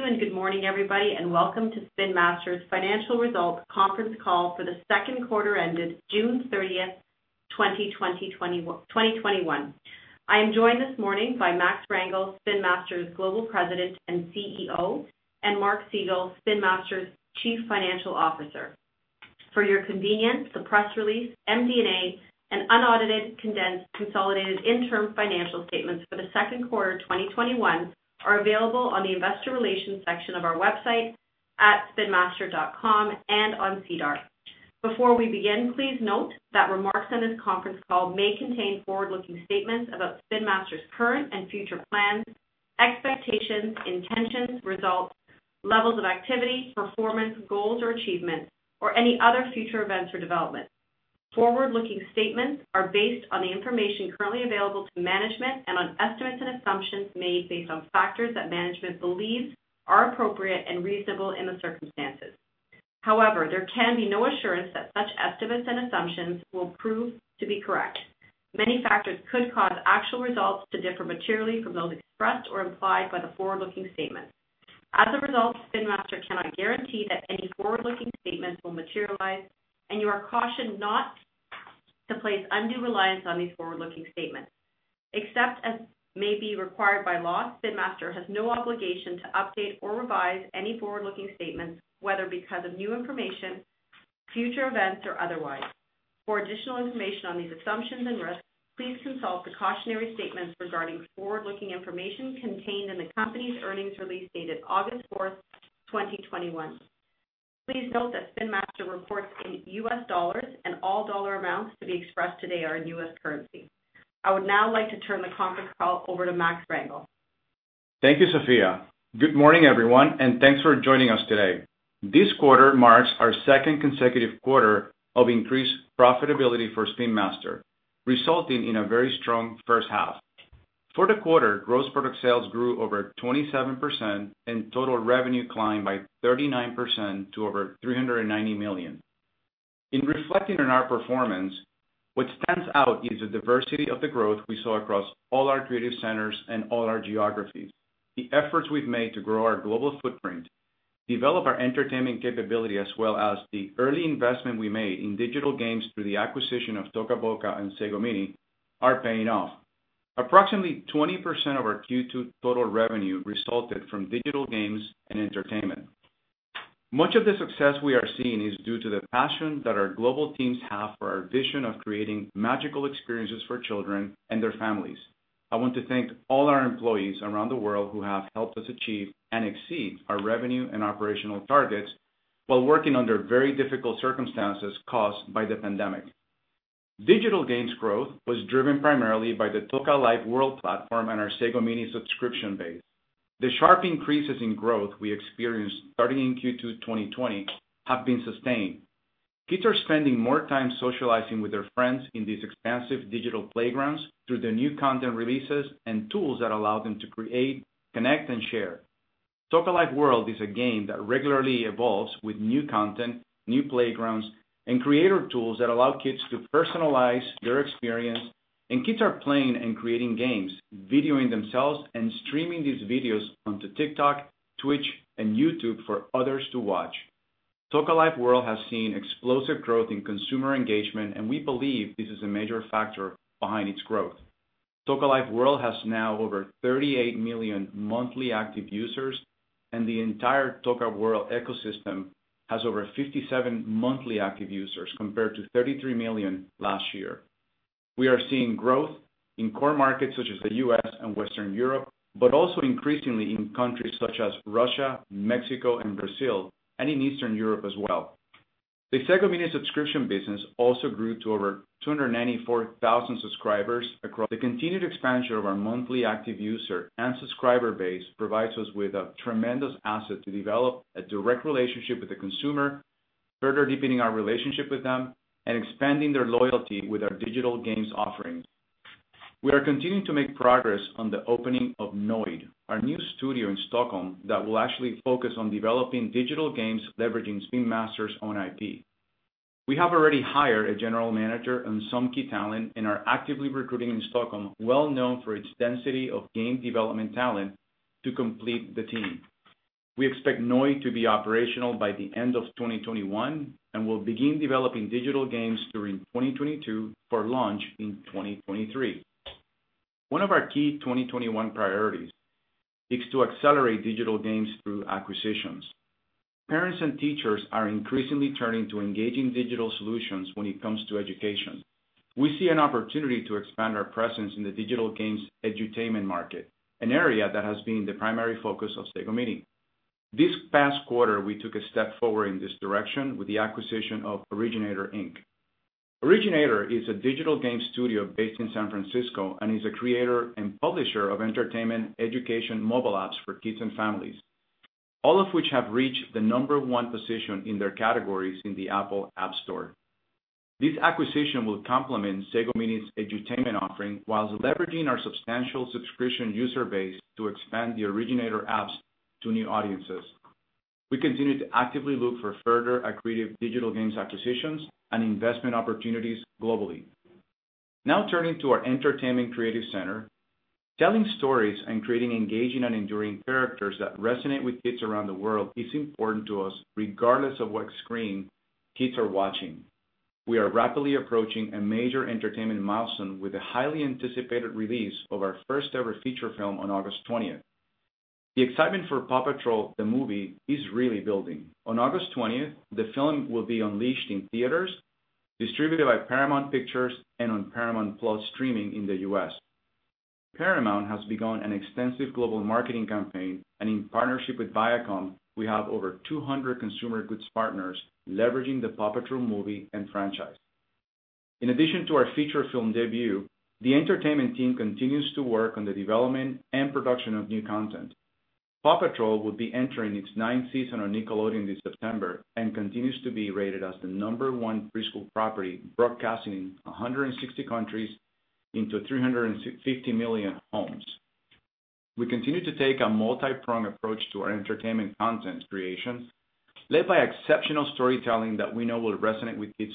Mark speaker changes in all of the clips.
Speaker 1: Thank you, good morning, everybody, and welcome to Spin Master's Financial Results Conference Call for the second quarter ended June 30th, 2021. I am joined this morning by Max Rangel, Spin Master's Global President and CEO, and Mark Segal, Spin Master's Chief Financial Officer. For your convenience, the press release, MD&A, and unaudited, condensed, consolidated interim financial statements for the second quarter 2021 are available on the investor relations section of our website at spinmaster.com and on SEDAR. Before we begin, please note that remarks on this conference call may contain forward-looking statements about Spin Master's current and future plans, expectations, intentions, results, levels of activity, performance, goals or achievements, or any other future events or developments. Forward-looking statements are based on the information currently available to management and on estimates and assumptions made based on factors that management believes are appropriate and reasonable in the circumstances. However, there can be no assurance that such estimates and assumptions will prove to be correct. Many factors could cause actual results to differ materially from those expressed or implied by the forward-looking statement. As a result, Spin Master cannot guarantee that any forward-looking statements will materialize, and you are cautioned not to place undue reliance on these forward-looking statements. Except as may be required by law, Spin Master has no obligation to update or revise any forward-looking statements, whether because of new information, future events, or otherwise. For additional information on these assumptions and risks, please consult the cautionary statements regarding forward-looking information contained in the company's earnings release dated August 4th, 2021. Please note that Spin Master reports in US dollars and all dollar amounts to be expressed today are in US currency. I would now like to turn the conference call over to Max Rangel.
Speaker 2: Thank you, Sophia. Good morning, everyone, and thanks for joining us today. This quarter marks our second consecutive quarter of increased profitability for Spin Master, resulting in a very strong first half. For the quarter, gross product sales grew over 27%, and total revenue climbed by 39% to over $390 million. In reflecting on our performance, what stands out is the diversity of the growth we saw across all our creative centers and all our geographies. The efforts we've made to grow our global footprint, develop our entertainment capability, as well as the early investment we made in Digital Games through the acquisition of Toca Boca and Sago Mini are paying off. Approximately 20% of our Q2 total revenue resulted from Digital Games and Entertainment. Much of the success we are seeing is due to the passion that our global teams have for our vision of creating magical experiences for children and their families. I want to thank all our employees around the world who have helped us achieve and exceed our revenue and operational targets while working under very difficult circumstances caused by the pandemic. Digital Games growth was driven primarily by the Toca Life: World platform and our Sago Mini subscription base. The sharp increases in growth we experienced starting in Q2 2020 have been sustained. Kids are spending more time socializing with their friends in these expansive digital playgrounds through the new content releases and tools that allow them to create, connect, and share. Toca Life: World is a game that regularly evolves with new content, new playgrounds, and creator tools that allow kids to personalize their experience. Kids are playing and creating games, videoing themselves, and streaming these videos onto TikTok, Twitch, and YouTube for others to watch. Toca Life: World has seen explosive growth in consumer engagement, and we believe this is a major factor behind its growth. Toca Life: World has now over 38 million monthly active users, and the entire Toca World ecosystem has over 57 million monthly active users, compared to 33 million last year. We are seeing growth in core markets such as the U.S. and Western Europe, but also increasingly in countries such as Russia, Mexico, and Brazil, and in Eastern Europe as well. The Sago Mini subscription business also grew to over 294,000 subscribers. The continued expansion of our monthly active user and subscriber base provides us with a tremendous asset to develop a direct relationship with the consumer, further deepening our relationship with them, and expanding their loyalty with our digital games offerings. We are continuing to make progress on the opening of Nørd, our new studio in Stockholm that will actually focus on developing digital games leveraging Spin Master's own IP. We have already hired a general manager and some key talent and are actively recruiting in Stockholm, well known for its density of game development talent to complete the team. We expect Nørd to be operational by the end of 2021, and will begin developing digital games during 2022 for launch in 2023. One of our key 2021 priorities is to accelerate Digital Games through acquisitions. Parents and teachers are increasingly turning to engaging digital solutions when it comes to education. We see an opportunity to expand our presence in the digital games edutainment market, an area that has been the primary focus of Sago Mini. This past quarter, we took a step forward in this direction with the acquisition of Originator Inc. Originator is a digital game studio based in San Francisco and is a creator and publisher of entertainment education mobile apps for kids and families, all of which have reached the number one position in their categories in the Apple App Store. This acquisition will complement Sago Mini's edutainment offering whilst leveraging our substantial subscription user base to expand the Originator apps to new audiences. We continue to actively look for further accretive Digital Games acquisitions and investment opportunities globally. Now turning to our Entertainment Creative Center. Telling stories and creating engaging and enduring characters that resonate with kids around the world is important to us, regardless of what screen kids are watching. We are rapidly approaching a major entertainment milestone with the highly anticipated release of our first-ever feature film on August 20th. The excitement for "PAW Patrol: The Movie" is really building. On August 20th, the film will be unleashed in theaters, distributed by Paramount Pictures, and on Paramount+ streaming in the U.S. Paramount has begun an extensive global marketing campaign, and in partnership with Viacom, we have over 200 consumer goods partners leveraging the "PAW Patrol" movie and franchise. In addition to our feature film debut, the entertainment team continues to work on the development and production of new content. PAW Patrol will be entering its ninth season on Nickelodeon this September and continues to be rated as the number one preschool property, broadcasting in 160 countries into 350 million homes. We continue to take a multipronged approach to our entertainment content creation, led by exceptional storytelling that we know will resonate with kids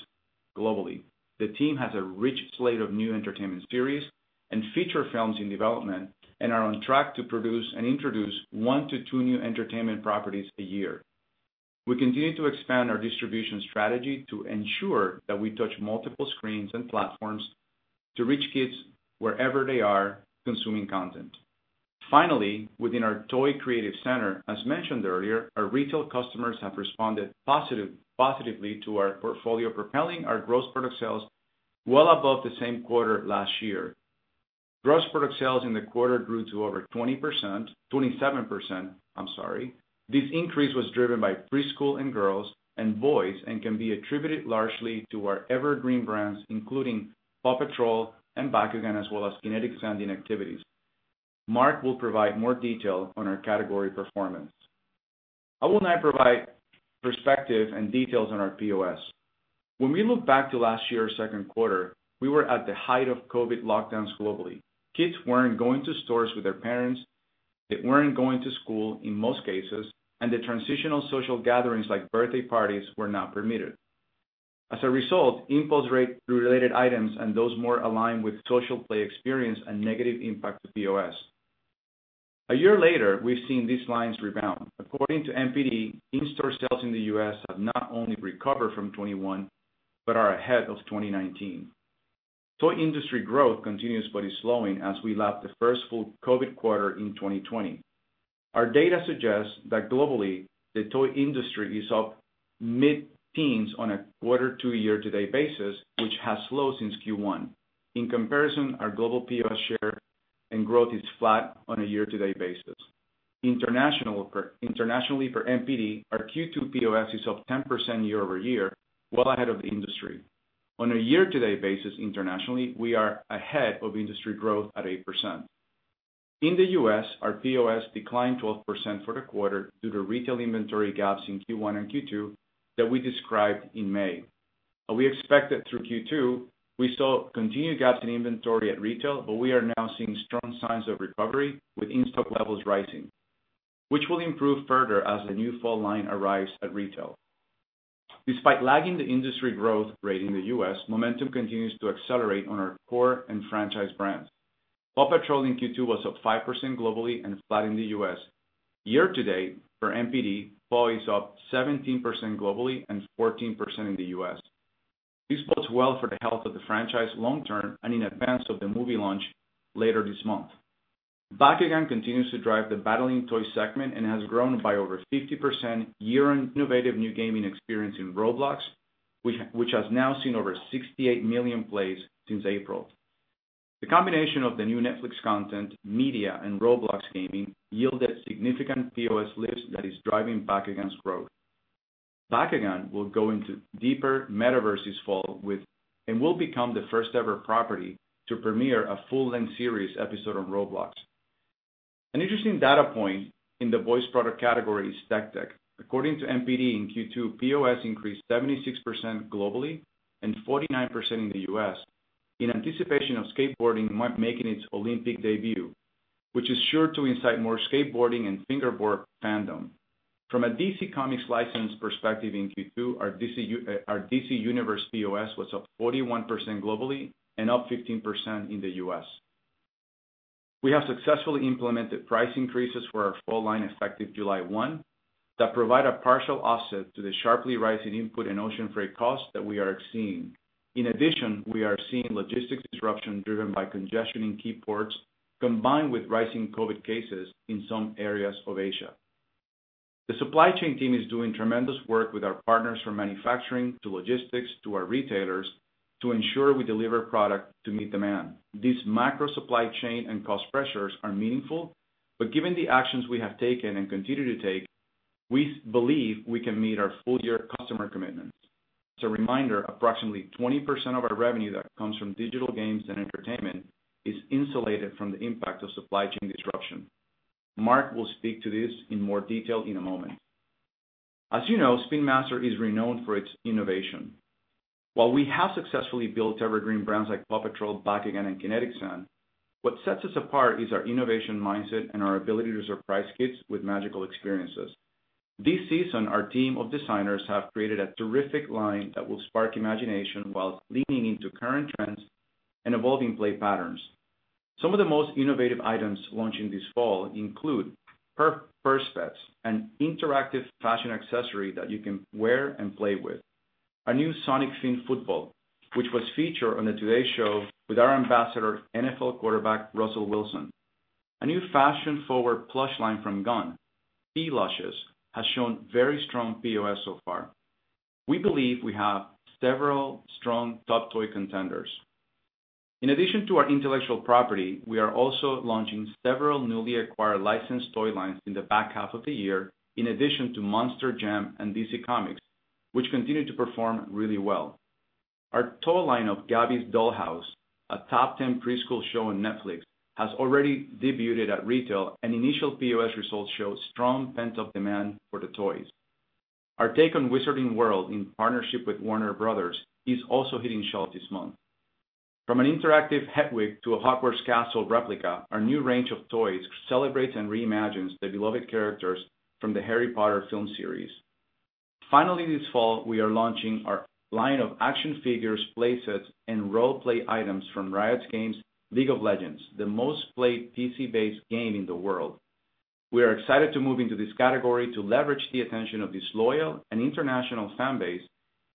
Speaker 2: globally. The team has a rich slate of new entertainment series and feature films in development and are on track to produce and introduce one to two new entertainment properties a year. We continue to expand our distribution strategy to ensure that we touch multiple screens and platforms to reach kids wherever they are consuming content. Finally, within our Toy Creative Center, as mentioned earlier, our retail customers have responded positively to our portfolio, propelling our gross product sales well above the same quarter last year. Gross product sales in the quarter grew to over 27%, I'm sorry. This increase was driven by preschool, and girls, and boys, and can be attributed largely to our evergreen brands, including PAW Patrol and Bakugan, as well as Kinetic Sand activities. Mark will provide more detail on our category performance. I will now provide perspective and details on our POS. When we look back to last year's second quarter, we were at the height of COVID lockdowns globally. Kids weren't going to stores with their parents, they weren't going to school in most cases, and the transitional social gatherings like birthday parties were not permitted. As a result, impulse-related items and those more aligned with social play experience a negative impact to POS. A year later, we've seen these lines rebound. According to NPD, in-store sales in the U.S. have not only recovered from 2021, but are ahead of 2019. Toy industry growth continues but is slowing as we lap the first full COVID quarter in 2020. Our data suggests that globally, the toy industry is up mid-teens on a quarter to year-to-date basis, which has slowed since Q1. In comparison, our global POS share and growth is flat on a year-to-date basis. Internationally, for NPD, our Q2 POS is up 10% year-over-year, well ahead of the industry. On a year-to-date basis internationally, we are ahead of industry growth at 8%. In the U.S., our POS declined 12% for the quarter due to retail inventory gaps in Q1 and Q2 that we described in May. We expect that through Q2, we saw continued gaps in inventory at retail, but we are now seeing strong signs of recovery with in-stock levels rising, which will improve further as the new fall line arrives at retail. Despite lagging the industry growth rate in the U.S., momentum continues to accelerate on our core and franchise brands. "PAW Patrol" in Q2 was up 5% globally and flat in the U.S. Year to date for NPD, "PAW" is up 17% globally and 14% in the U.S. This bodes well for the health of the franchise long term and in advance of the movie launch later this month. "Bakugan" continues to drive the battling toy segment and has grown by over 50% year on innovative new gaming experience in "Roblox," which has now seen over 68 million plays since April. The combination of the new Netflix content, media, and Roblox gaming yielded significant POS lifts that is driving Bakugan's growth. Bakugan will go into deeper metaverse this fall and will become the first-ever property to premiere a full-length series episode on Roblox. An interesting data point in the boys product category is Tech Deck. According to NPD, in Q2, POS increased 76% globally and 49% in the U.S. in anticipation of skateboarding making its Olympic debut, which is sure to incite more skateboarding and fingerboard fandom. From a DC Comics license perspective in Q2, our DC Universe POS was up 41% globally and up 15% in the U.S. We have successfully implemented price increases for our fall line effective July 1 that provide a partial offset to the sharply rising input and ocean freight costs that we are seeing. In addition, we are seeing logistics disruption driven by congestion in key ports, combined with rising COVID cases in some areas of Asia. The supply chain team is doing tremendous work with our partners from manufacturing to logistics to our retailers to ensure we deliver product to meet demand. These macro supply chain and cost pressures are meaningful, but given the actions we have taken and continue to take, we believe we can meet our full-year customer commitments. As a reminder, approximately 20% of our revenue that comes from Digital Games and Entertainment is insulated from the impact of supply chain disruption. Mark will speak to this in more detail in a moment. As you know, Spin Master is renowned for its innovation. While we have successfully built evergreen brands like "PAW Patrol," "Bakugan," and Kinetic Sand, what sets us apart is our innovation mindset and our ability to surprise kids with magical experiences. This season, our team of designers have created a terrific line that will spark imagination while leaning into current trends and evolving play patterns. Some of the most innovative items launching this fall include Purse Pets, an interactive fashion accessory that you can wear and play with. Our new Sonic-themed football, which was featured on "The Today Show" with our ambassador, NFL quarterback Russell Wilson. A new fashion-forward plush line from Gund, P.Lushes Pets, has shown very strong POS so far. We believe we have several strong top toy contenders. In addition to our intellectual property, we are also launching several newly acquired licensed toy lines in the back half of the year, in addition to Monster Jam and DC Comics, which continue to perform really well. Our toy line of "Gabby's Dollhouse," a top 10 preschool show on Netflix, has already debuted at retail, and initial POS results show strong pent-up demand for the toys. Our take on Wizarding World, in partnership with Warner Bros., is also hitting shelves this month. From an interactive Hedwig to a Hogwarts castle replica, our new range of toys celebrates and reimagines the beloved characters from the "Harry Potter" film series. Finally, this fall, we are launching our line of action figures, play sets, and role-play items from Riot Games' "League of Legends," the most-played PC-based game in the world. We are excited to move into this category to leverage the attention of this loyal and international fan base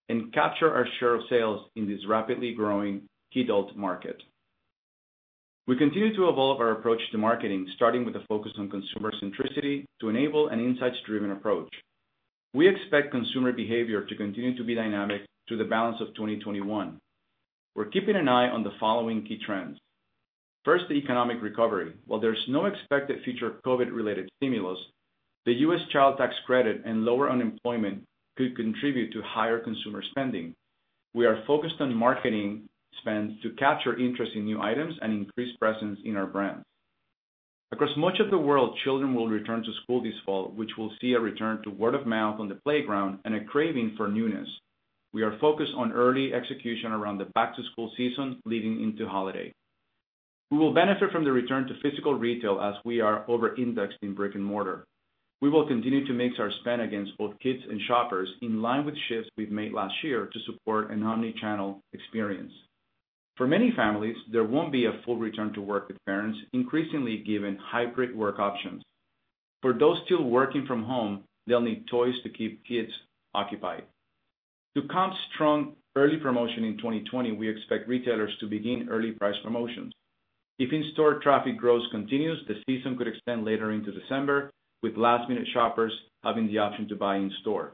Speaker 2: and capture our share of sales in this rapidly growing kidult market. We continue to evolve our approach to marketing, starting with a focus on consumer centricity to enable an insights-driven approach. We expect consumer behavior to continue to be dynamic through the balance of 2021. We're keeping an eye on the following key trends. First, the economic recovery. While there's no expected future COVID-related stimulus, the U.S. Child Tax Credit and lower unemployment could contribute to higher consumer spending. We are focused on marketing spend to capture interest in new items and increase presence in our brands. Across much of the world, children will return to school this fall, which will see a return to word of mouth on the playground and a craving for newness. We are focused on early execution around the back-to-school season leading into holiday. We will benefit from the return to physical retail as we are over-indexed in brick and mortar. We will continue to mix our spend against both kids and shoppers in line with shifts we've made last year to support an omni-channel experience. For many families, there won't be a full return to work, with parents increasingly given hybrid work options. For those still working from home, they'll need toys to keep kids occupied. To comp strong early promotion in 2020, we expect retailers to begin early price promotions. If in-store traffic growth continues, the season could extend later into December, with last-minute shoppers having the option to buy in-store.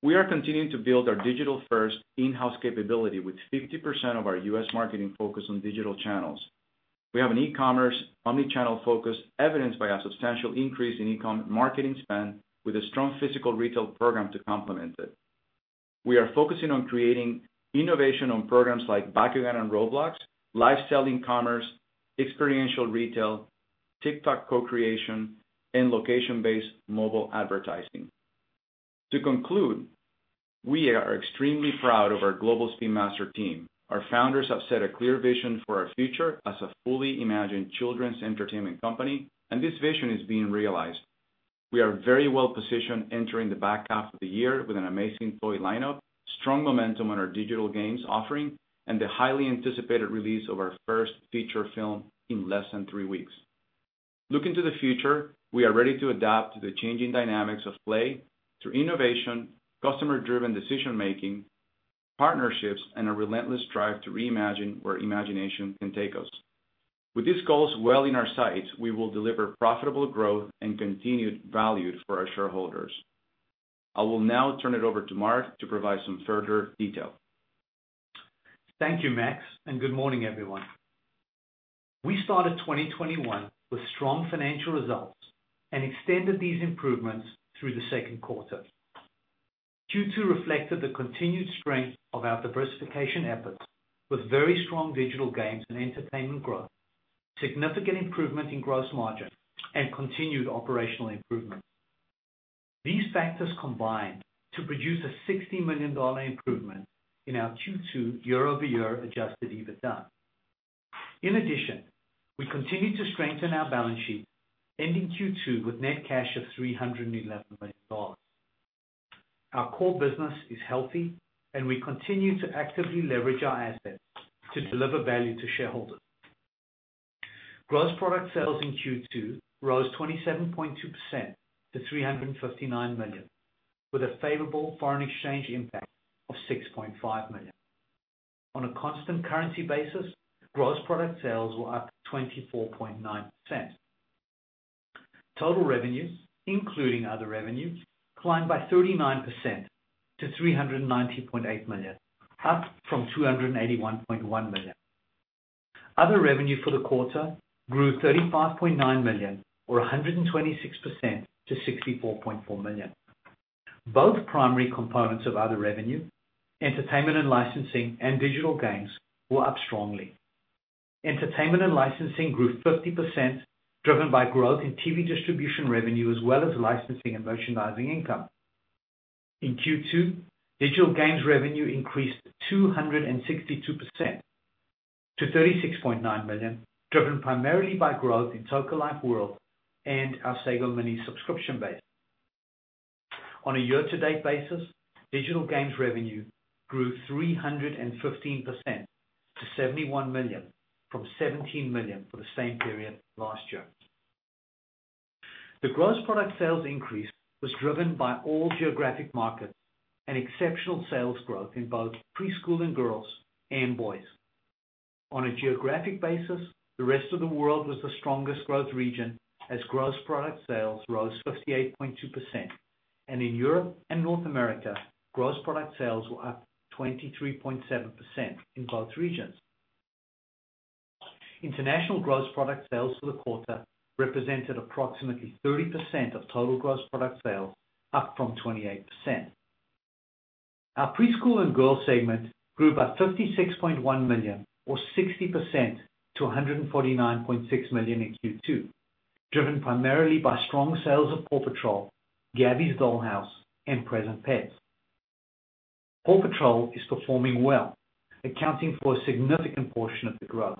Speaker 2: We are continuing to build our digital-first in-house capability, with 50% of our U.S. marketing focus on digital channels. We have an e-commerce omni-channel focus evidenced by a substantial increase in e-com marketing spend with a strong physical retail program to complement it. We are focusing on creating innovation on programs like Bakugan on Roblox, live selling commerce, experiential retail, TikTok co-creation, and location-based mobile advertising. To conclude, we are extremely proud of our global Spin Master team. Our founders have set a clear vision for our future as a fully imagined children's entertainment company, and this vision is being realized. We are very well positioned entering the back half of the year with an amazing toy lineup, strong momentum on our digital games offering, and the highly anticipated release of our first feature film in less than three weeks. Looking to the future, we are ready to adapt to the changing dynamics of play through innovation, customer-driven decision making, partnerships, and a relentless drive to reimagine where imagination can take us. With these goals well in our sights, we will deliver profitable growth and continued value for our shareholders. I will now turn it over to Mark to provide some further detail.
Speaker 3: Thank you, Max, good morning, everyone. We started 2021 with strong financial results and extended these improvements through the second quarter. Q2 reflected the continued strength of our diversification efforts with very strong Digital Games and Entertainment growth, significant improvement in gross margin, and continued operational improvement. These factors combined to produce a $60 million improvement in our Q2 year-over-year adjusted EBITDA. In addition, we continued to strengthen our balance sheet, ending Q2 with net cash of $311 million. Our core business is healthy, and we continue to actively leverage our assets to deliver value to shareholders. Gross product sales in Q2 rose 27.2% to $359 million, with a favorable foreign exchange impact of $6.5 million. On a constant currency basis, gross product sales were up 24.9%. Total revenues, including other revenues, climbed by 39% to $390.8 million, up from $281.1 million. Other revenue for the quarter grew $35.9 million or 126% to $64.4 million. Both primary components of other revenue, entertainment and licensing and Digital Games, were up strongly. Entertainment and licensing grew 50%, driven by growth in TV distribution revenue, as well as licensing and merchandising income. In Q2, Digital Games revenue increased 262% to $36.9 million, driven primarily by growth in Toca Life: World and our Sago Mini subscription base. On a year-to-date basis, Digital Games revenue grew 315% to $71 million from $17 million for the same period last year. The gross product sales increase was driven by all geographic markets and exceptional sales growth in both preschool and girls and boys. On a geographic basis, the rest of the world was the strongest growth region as gross product sales rose 58.2%. In Europe and North America, gross product sales were up 23.7% in both regions. International gross product sales for the quarter represented approximately 30% of total gross product sales, up from 28%. Our preschool and girls segment grew by $56.1 million or 60% to $149.6 million in Q2, driven primarily by strong sales of PAW Patrol, Gabby's Dollhouse and Present Pets. PAW Patrol is performing well, accounting for a significant portion of the growth.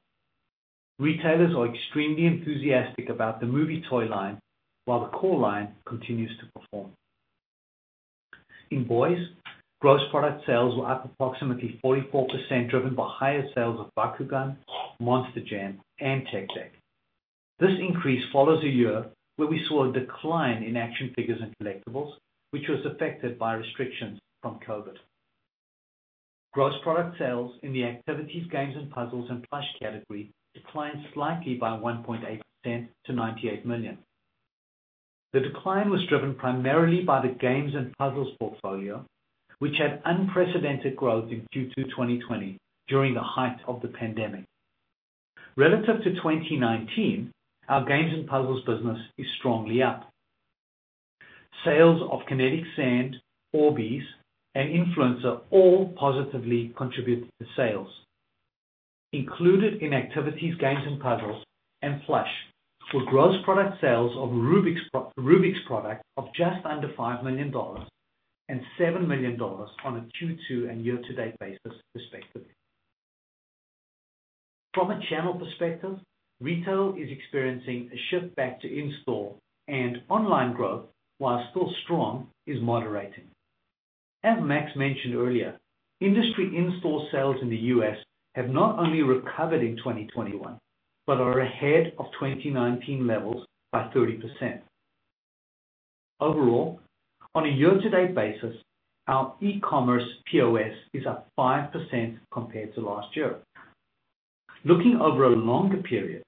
Speaker 3: Retailers are extremely enthusiastic about the movie toy line, while the core line continues to perform. In boys, gross product sales were up approximately 44%, driven by higher sales of Bakugan, Monster Jam and Tech Deck. This increase follows a year where we saw a decline in action figures and collectibles, which was affected by restrictions from COVID. Gross product sales in the activities, games and puzzles and plush category declined slightly by 1.8% to $98 million. The decline was driven primarily by the games and puzzles portfolio, which had unprecedented growth in Q2 2020 during the height of the pandemic. Relative to 2019, our games and puzzles business is strongly up. Sales of Kinetic Sand, Orbeez and Inkfluencer all positively contributed to sales. Included in activities, games and puzzles and plush were gross product sales of Rubik's product of just under $5 million and $7 million on a Q2 and year-to-date basis respectively. From a channel perspective, retail is experiencing a shift back to in-store and online growth, while still strong, is moderating. As Max mentioned earlier, industry in-store sales in the U.S. have not only recovered in 2021, but are ahead of 2019 levels by 30%. Overall, on a year-to-date basis, our e-commerce POS is up 5% compared to last year. Looking over a longer period,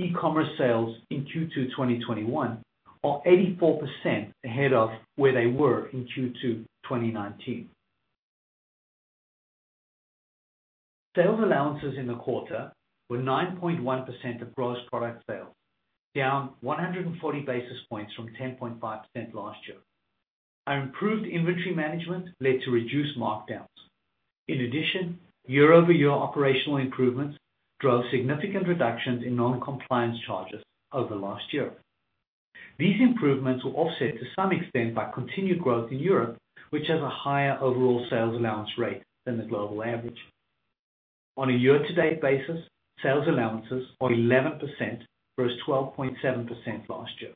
Speaker 3: e-commerce sales in Q2 2021 are 84% ahead of where they were in Q2 2019. Sales allowances in the quarter were 9.1% of gross product sales, down 140 basis points from 10.5% last year. Our improved inventory management led to reduced markdowns. In addition, year-over-year operational improvements drove significant reductions in non-compliance charges over last year. These improvements were offset to some extent by continued growth in Europe, which has a higher overall sales allowance rate than the global average. On a year-to-date basis, sales allowances are 11% versus 12.7% last year.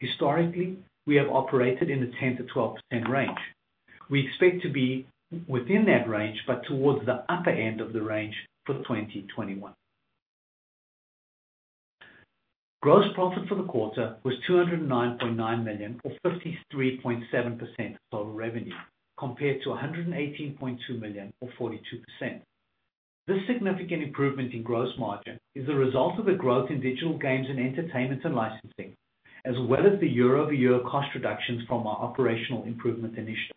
Speaker 3: Historically, we have operated in the 10%-12% range. We expect to be within that range, but towards the upper end of the range for 2021. Gross profit for the quarter was $209.9 million or 53.7% of total revenue compared to $118.2 million or 42%. This significant improvement in gross margin is a result of the growth in Digital Games and Entertainment and licensing, as well as the year-over-year cost reductions from our operational improvement initiatives.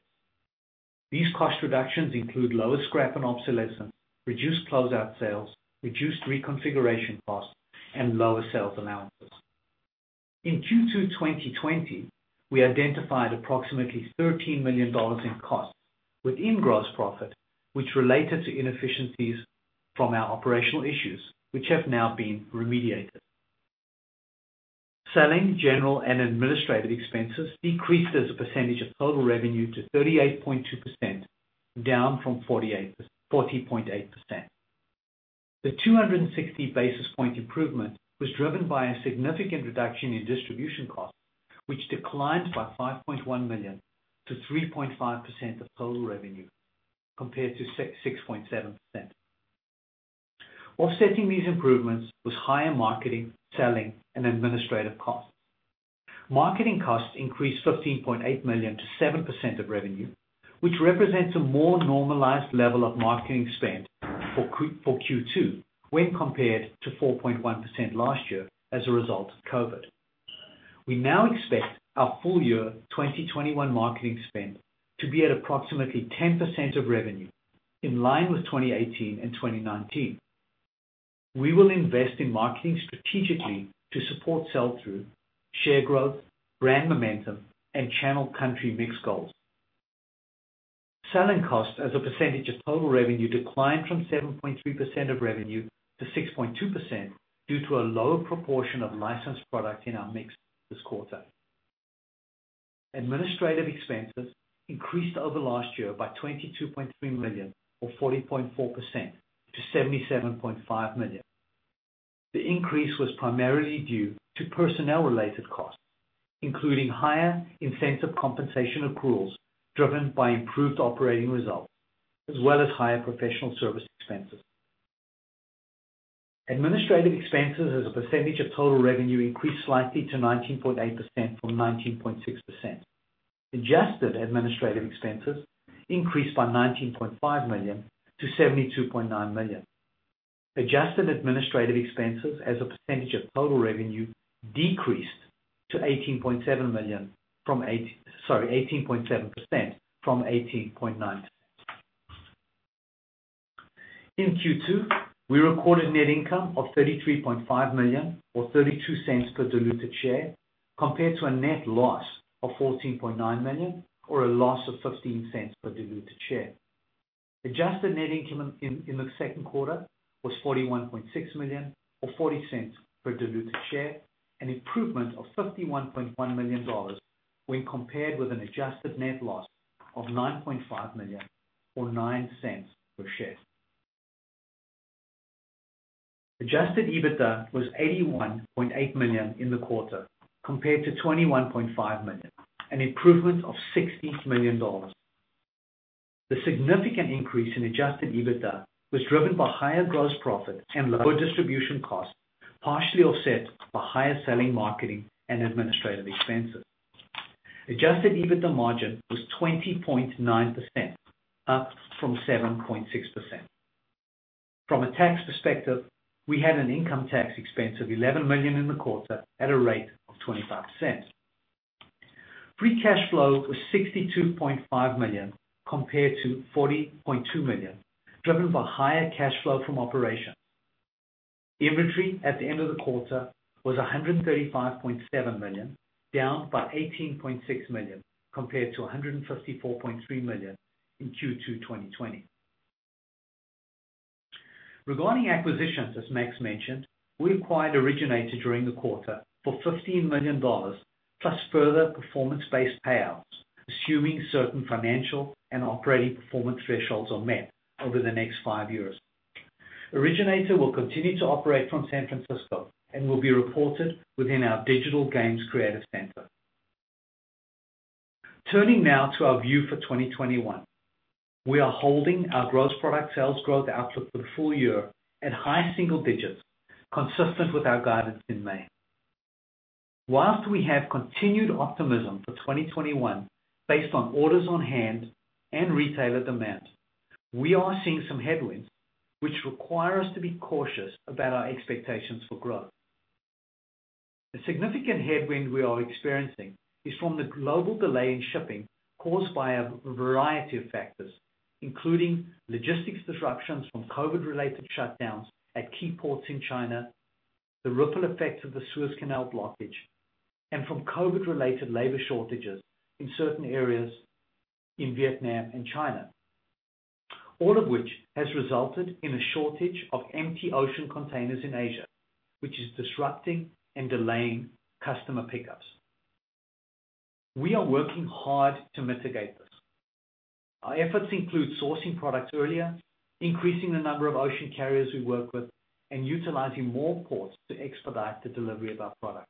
Speaker 3: These cost reductions include lower scrap and obsolescence, reduced closeout sales, reduced reconfiguration costs and lower sales allowances. In Q2 2020, we identified approximately $13 million in costs within gross profit, which related to inefficiencies from our operational issues, which have now been remediated. Selling, general and administrative expenses decreased as a percentage of total revenue to 38.2%, down from 40.8%. The 260 basis point improvement was driven by a significant reduction in distribution costs, which declined by $5.1 million to 3.5% of total revenue, compared to 6.7%. Offsetting these improvements was higher marketing, selling and administrative costs. Marketing costs increased $15.8 million to 7% of revenue, which represents a more normalized level of marketing spend for Q2 when compared to 4.1% last year as a result of COVID. We now expect our full year 2021 marketing spend to be at approximately 10% of revenue, in line with 2018 and 2019. We will invest in marketing strategically to support sell-through, share growth, brand momentum and channel country mix goals. Selling cost as a percentage of total revenue declined from 7.3% of revenue to 6.2%, due to a lower proportion of licensed product in our mix this quarter. Administrative expenses increased over last year by $22.3 million or 40.4% to $77.5 million. The increase was primarily due to personnel-related costs, including higher incentive compensation accruals driven by improved operating results, as well as higher professional service expenses. Administrative expenses as a percentage of total revenue increased slightly to 19.8% from 19.6%. Adjusted administrative expenses increased by $19.5 million to $72.9 million. Adjusted administrative expenses as a percentage of total revenue decreased to 18.7% from 18.9%. In Q2, we recorded net income of $33.5 million or $0.32 per diluted share, compared to a net loss of $14.9 million or a loss of $0.15 per diluted share. Adjusted net income in the second quarter was $41.6 million or $0.40 per diluted share, an improvement of $51.1 million when compared with an adjusted net loss of $9.5 million or $0.09 per share. Adjusted EBITDA was $81.8 million in the quarter, compared to $21.5 million, an improvement of $60 million. The significant increase in adjusted EBITDA was driven by higher gross profit and lower distribution costs, partially offset by higher selling, marketing, and administrative expenses. Adjusted EBITDA margin was 20.9%, up from 7.6%. From a tax perspective, we had an income tax expense of $11 million in the quarter at a rate of 25%. Free cash flow was $62.5 million compared to $40.2 million, driven by higher cash flow from operations. Inventory at the end of the quarter was $135.7 million, down by $18.6 million compared to $154.3 million in Q2 2020. Regarding acquisitions, as Max mentioned, we acquired Originator during the quarter for $15 million, plus further performance-based payouts, assuming certain financial and operating performance thresholds are met over the next five years. Originator will continue to operate from San Francisco and will be reported within our Digital Games Creative Center. Turning now to our view for 2021. We are holding our gross product sales growth outlook for the full year at high single digits, consistent with our guidance in May. Whilst we have continued optimism for 2021 based on orders on hand and retailer demand, we are seeing some headwinds, which require us to be cautious about our expectations for growth. The significant headwind we are experiencing is from the global delay in shipping caused by a variety of factors, including logistics disruptions from COVID-related shutdowns at key ports in China, the ripple effects of the Suez Canal blockage, and from COVID-related labor shortages in certain areas in Vietnam and China. All of which has resulted in a shortage of empty ocean containers in Asia, which is disrupting and delaying customer pickups. We are working hard to mitigate this. Our efforts include sourcing products earlier, increasing the number of ocean carriers we work with, and utilizing more ports to expedite the delivery of our product.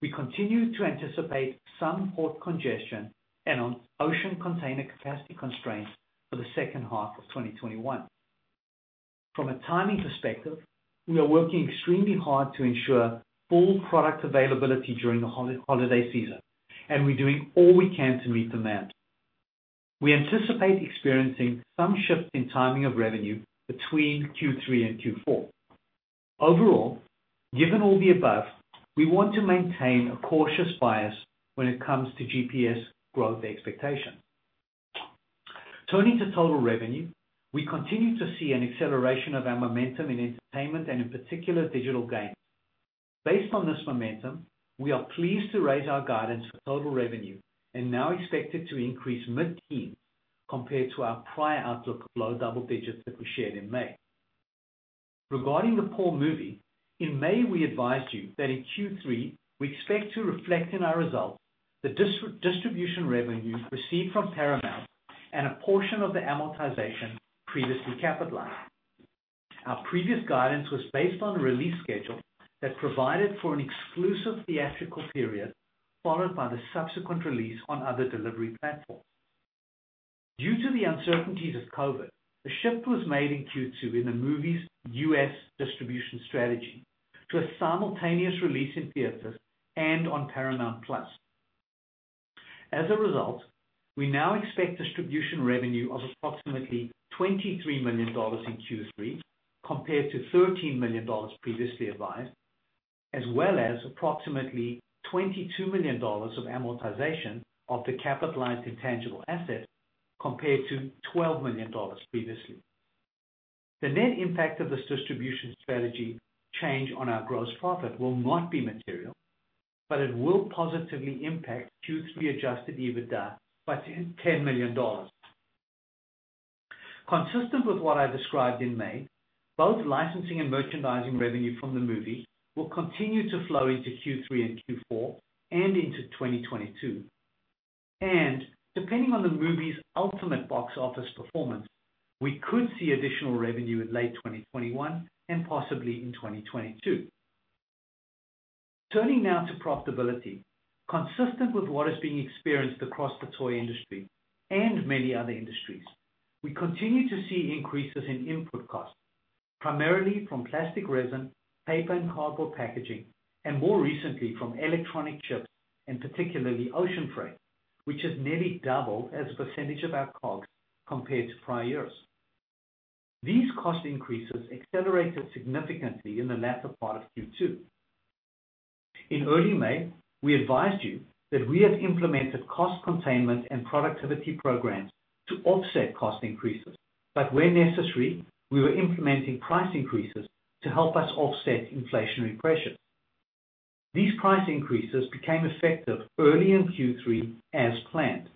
Speaker 3: We continue to anticipate some port congestion and ocean container capacity constraints for the second half of 2021. From a timing perspective, we are working extremely hard to ensure full product availability during the holiday season, and we're doing all we can to meet demand. We anticipate experiencing some shift in timing of revenue between Q3 and Q4. Overall, given all the above, we want to maintain a cautious bias when it comes to GPS growth expectation. Turning to total revenue, we continue to see an acceleration of our momentum in Entertainment and in particular, digital games. Based on this momentum, we are pleased to raise our guidance for total revenue and now expect it to increase mid-teen compared to our prior outlook of low double digits that we shared in May. Regarding the PAW movie, in May, we advised you that in Q3, we expect to reflect in our results the distribution revenue received from Paramount and a portion of the amortization previously capitalized. Our previous guidance was based on a release schedule that provided for an exclusive theatrical period, followed by the subsequent release on other delivery platforms. Due to the uncertainties of COVID, a shift was made in Q2 in the movie's U.S. distribution strategy to a simultaneous release in theaters and on Paramount+. As a result, we now expect distribution revenue of approximately $23 million in Q3 compared to $13 million previously advised, as well as approximately $22 million of amortization of the capitalized intangible asset compared to $12 million previously. The net impact of this distribution strategy change on our gross profit will not be material, but it will positively impact Q3 adjusted EBITDA by $10 million. Consistent with what I described in May, both licensing and merchandising revenue from the movie will continue to flow into Q3 and Q4 and into 2022. Depending on the movie's ultimate box office performance, we could see additional revenue in late 2021 and possibly in 2022. Turning now to profitability. Consistent with what is being experienced across the toy industry and many other industries, we continue to see increases in input costs, primarily from plastic resin, paper and cardboard packaging, and more recently, from electronic chips and particularly ocean freight, which has nearly doubled as a percentage of our costs compared to prior years. These cost increases accelerated significantly in the latter part of Q2. In early May, we advised you that we have implemented cost containment and productivity programs to offset cost increases, but where necessary, we were implementing price increases to help us offset inflationary pressures. These price increases became effective early in Q3 as planned.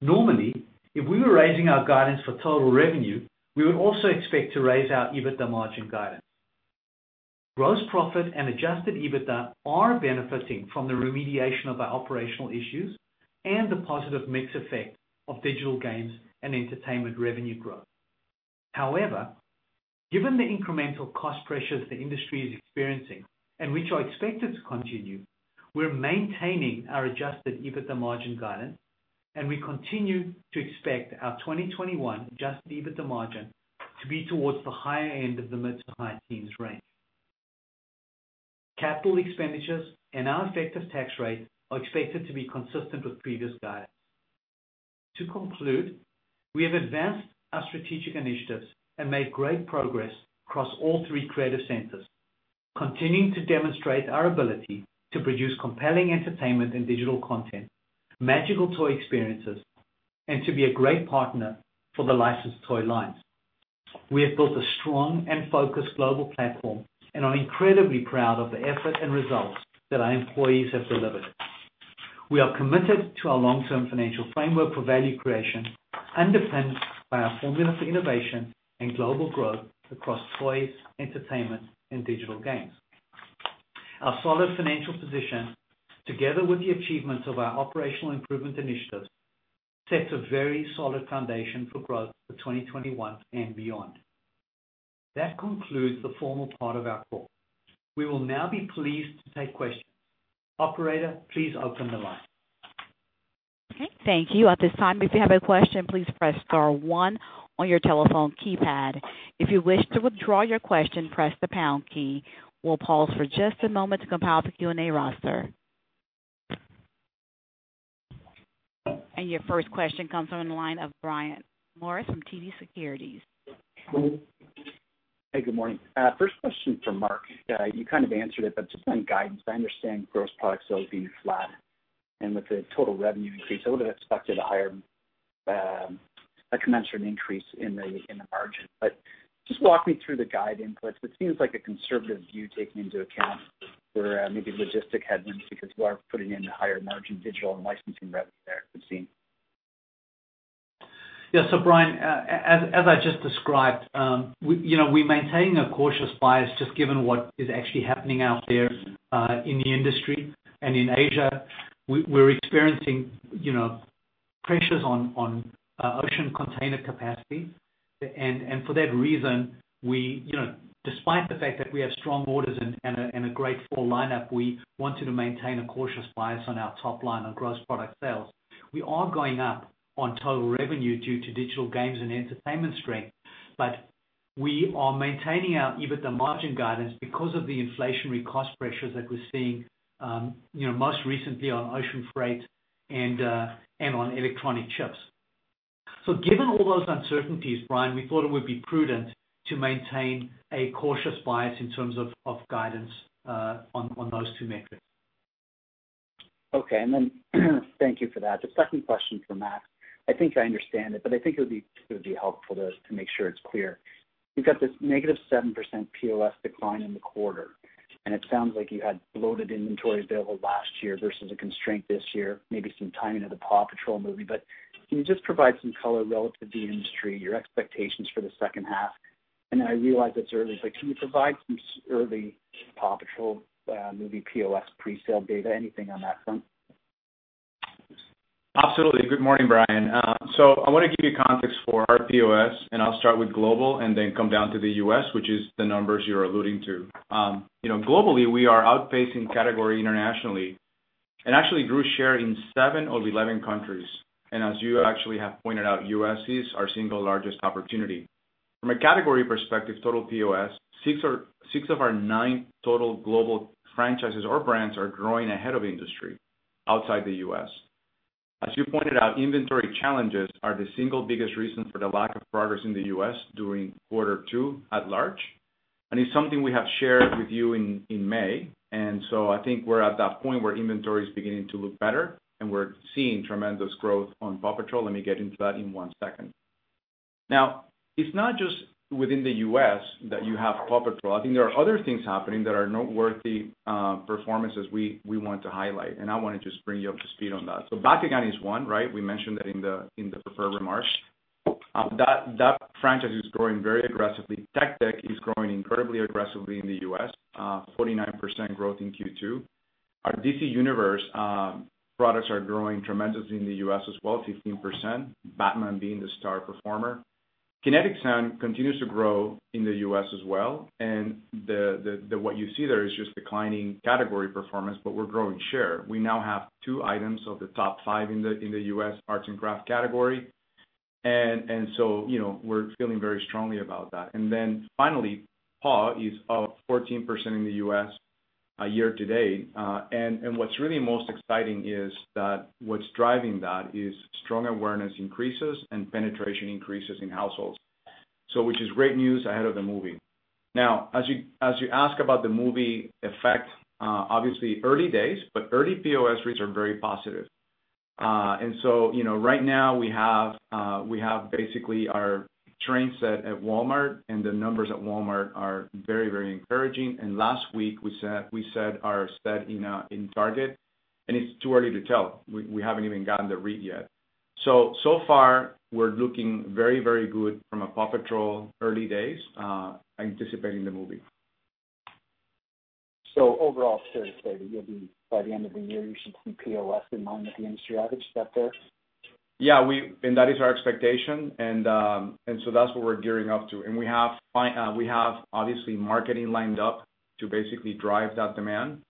Speaker 3: Normally, if we were raising our guidance for total revenue, we would also expect to raise our EBITDA margin guidance. Gross profit and adjusted EBITDA are benefiting from the remediation of our operational issues and the positive mix effect of Digital Games and Entertainment revenue growth. However, given the incremental cost pressures the industry is experiencing and which are expected to continue, we're maintaining our adjusted EBITDA margin guidance, and we continue to expect our 2021 adjusted EBITDA margin to be towards the higher end of the mid-to-high teens range. Capital expenditures and our effective tax rate are expected to be consistent with previous guidance. To conclude, we have advanced our strategic initiatives and made great progress across all three creative centers, continuing to demonstrate our ability to produce compelling entertainment and digital content, magical toy experiences, and to be a great partner for the licensed toy lines. We have built a strong and focused global platform and are incredibly proud of the effort and results that our employees have delivered. We are committed to our long-term financial framework for value creation, underpinned by our formula for innovation and global growth across Toys, Entertainment, and Digital Games. Our solid financial position, together with the achievements of our operational improvement initiatives, sets a very solid foundation for growth for 2021 and beyond. That concludes the formal part of our call. We will now be pleased to take questions. Operator, please open the line.
Speaker 4: Okay, thank you. At this time, if you have a question, please press star one on your telephone keypad. If you wish to withdraw your question, press the pound key. We'll pause for just a moment to compile the Q and A roster. Your first question comes from the line of Brian Morrison from TD Securities.
Speaker 5: Hey, good morning. First question for Mark. You kind of answered it, but just on guidance, I understand gross product sales being flat and with the total revenue increase, I would've expected a commensurate increase in the margin. Just walk me through the guide inputs. It seems like a conservative view taking into account for maybe logistic headwinds because you are putting in the higher margin digital and licensing revenue there it would seem.
Speaker 3: Yeah. Brian, as I just described, we're maintaining a cautious bias just given what is actually happening out there, in the industry and in Asia. We're experiencing pressures on ocean container capacity. For that reason, despite the fact that we have strong orders and a great fall lineup, we wanted to maintain a cautious bias on our top line on gross product sales. We are going up on total revenue due to Digital Games and Entertainment strength, but we are maintaining our EBITDA margin guidance because of the inflationary cost pressures that we're seeing, most recently on ocean freight and on electronic chips. Given all those uncertainties, Brian, we thought it would be prudent to maintain a cautious bias in terms of guidance on those two metrics.
Speaker 5: Okay. Thank you for that. The second question for Max. I think I understand it, but I think it would be helpful to make sure it's clear. We've got this -7% POS decline in the quarter. It sounds like you had bloated inventory available last year versus a constraint this year, maybe some timing of the PAW Patrol movie. Can you just provide some color relative to the industry, your expectations for the second half? I realize it's early, can you provide some early PAW Patrol movie POS presale data, anything on that front?
Speaker 2: Absolutely. Good morning, Brian. I want to give you context for our POS, and I'll start with global and then come down to the U.S., which is the numbers you're alluding to. Globally, we are outpacing category internationally and actually grew share in seven of 11 countries. As you actually have pointed out, U.S. is our single largest opportunity. From a category perspective, total POS, six of our nine total global franchises or brands are growing ahead of industry outside the U.S. As you pointed out, inventory challenges are the single biggest reason for the lack of progress in the U.S. during quarter two at large. It's something we have shared with you in May. I think we're at that point where inventory is beginning to look better, and we're seeing tremendous growth on PAW Patrol. Let me get into that in one second. It's not just within the U.S. that you have PAW Patrol. I think there are other things happening that are noteworthy performances we want to highlight, and I want to just bring you up to speed on that. Bakugan is one, right? We mentioned that in the prepared remarks. That franchise is growing very aggressively. Tech Deck is growing incredibly aggressively in the U.S., 49% growth in Q2. Our DC Universe products are growing tremendously in the U.S. as well, 15%, Batman being the star performer. Kinetic Sand continues to grow in the U.S. as well, and what you see there is just declining category performance, but we're growing share. We now have two items of the top five in the U.S. arts and craft category. We're feeling very strongly about that. Finally, PAW is up 14% in the U.S. year to date. What's really most exciting is that what's driving that is strong awareness increases and penetration increases in households. Which is great news ahead of the movie. Now, as you ask about the movie effect, obviously early days, but early POS reads are very positive. Right now we have basically our train set at Walmart and the numbers at Walmart are very encouraging. Last week we set our set in Target, and it's too early to tell. We haven't even gotten the read yet. So far we're looking very good from a PAW Patrol early days, anticipating the movie.
Speaker 5: Overall, fair to say that by the end of the year, you should see POS in line with the industry average, is that fair?
Speaker 2: Yeah, that is our expectation. That's what we're gearing up to. We have obviously marketing lined up to basically drive that demand.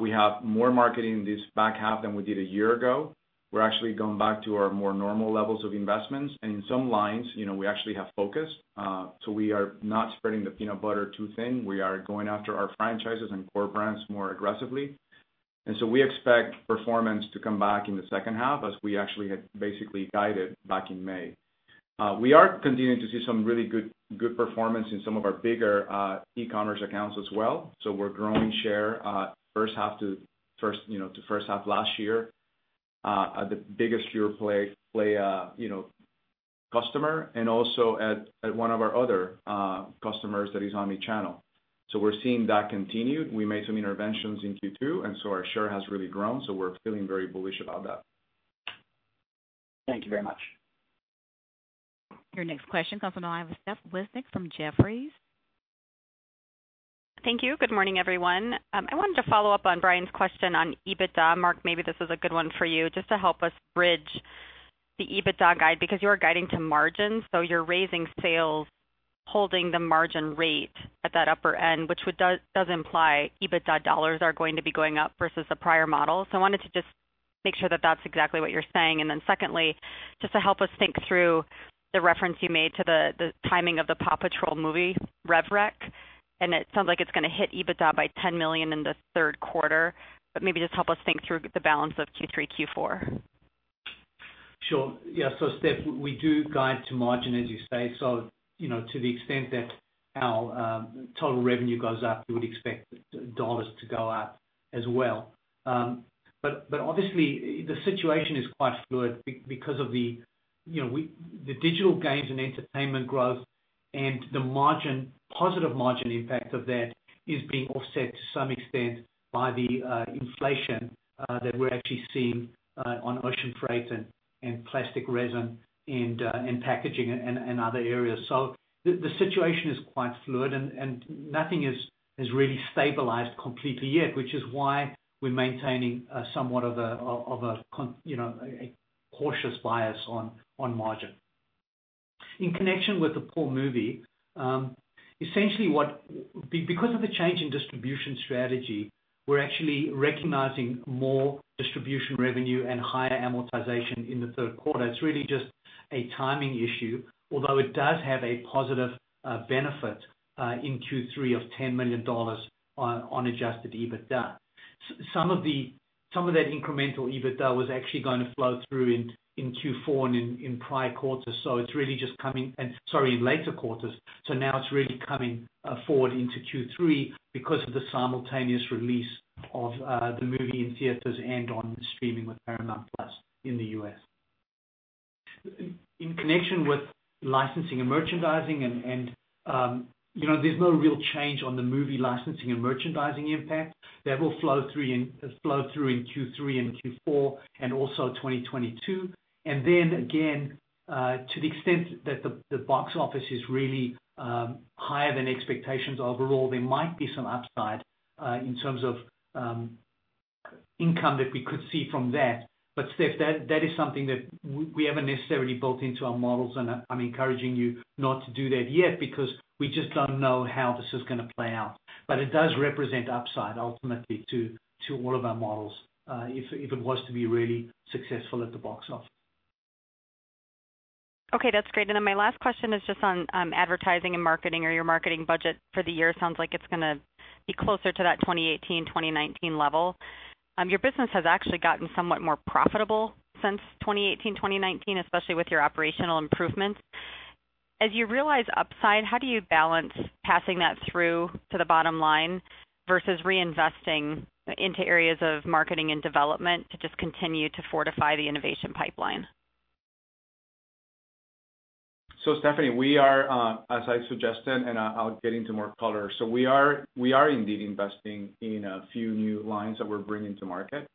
Speaker 2: We have more marketing this back half than we did a year ago. We're actually going back to our more normal levels of investments. In some lines, we actually have focus. We are not spreading the peanut butter too thin. We are going after our franchises and core brands more aggressively. We expect performance to come back in the second half as we actually had basically guided back in May. We are continuing to see some really good performance in some of our bigger e-commerce accounts as well. We're growing share to first half last year at the biggest pure-play customer and also at one of our other customers that is omni-channel. We're seeing that continue. We made some interventions in Q2, and so our share has really grown. We're feeling very bullish about that.
Speaker 5: Thank you very much.
Speaker 4: Your next question comes from the line of Steph Wissink from Jefferies.
Speaker 6: Thank you. Good morning, everyone. I wanted to follow up on Brian's question on EBITDA. Mark, maybe this is a good one for you, just to help us bridge the EBITDA guide because you are guiding to margins, so you're raising sales, holding the margin rate at that upper end, which does imply EBITDA dollars are going to be going up versus the prior model. I wanted to just make sure that that's exactly what you're saying. Secondly, just to help us think through the reference you made to the timing of the PAW Patrol movie rev rec, and it sounds like it's going to hit EBITDA by $10 million in the third quarter, but maybe just help us think through the balance of Q3, Q4.
Speaker 3: Sure. Yeah. Steph, we do guide to margin, as you say. To the extent that our total revenue goes up, you would expect dollars to go up as well. Obviously, the situation is quite fluid because of the Digital Games and Entertainment growth and the positive margin impact of that is being offset to some extent by the inflation that we're actually seeing on ocean freight and plastic resin and packaging and other areas. The situation is quite fluid and nothing has really stabilized completely yet, which is why we're maintaining somewhat of a cautious bias on margin. In connection with the PAW Movie, essentially because of the change in distribution strategy, we're actually recognizing more distribution revenue and higher amortization in the third quarter. It's really just a timing issue, although it does have a positive benefit in Q3 of $10 million on adjusted EBITDA. Some of that incremental EBITDA was actually going to flow through in Q4 and in prior quarters. Sorry, in later quarters. Now it's really coming forward into Q3 because of the simultaneous release of the movie in theaters and on streaming with Paramount+ in the U.S. In connection with licensing and merchandising, there's no real change on the movie licensing and merchandising impact. That will flow through in Q3 and Q4 and also 2022. To the extent that the box office is really higher than expectations overall, there might be some upside in terms of income that we could see from that. Steph, that is something that we haven't necessarily built into our models, and I'm encouraging you not to do that yet because we just don't know how this is going to play out. It does represent upside ultimately to all of our models, if it was to be really successful at the box office.
Speaker 6: Okay, that's great. My last question is just on advertising and marketing or your marketing budget for the year. Sounds like it's going to be closer to that 2018-2019 level. Your business has actually gotten somewhat more profitable since 2018-2019, especially with your operational improvements. As you realize upside, how do you balance passing that through to the bottom line versus reinvesting into areas of marketing and development to just continue to fortify the innovation pipeline?
Speaker 2: Stephanie, we are, as I suggested, and I'll get into more color, we are indeed investing in a few new lines that we're bringing to market,